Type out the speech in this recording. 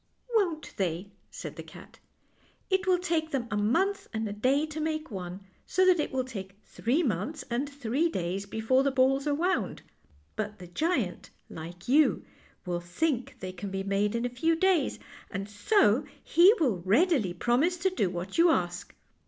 "Won't they," said the cat. "It will take them a mouth and a day to make one, so that it will take three mouths and three days before the balls are wound; but the giant, like you, will think they can be made in a few days, and so he will readily promise to do what you ask.